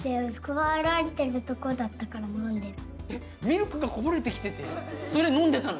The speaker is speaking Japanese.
えっミルクがこぼれてきててそれ飲んでたの？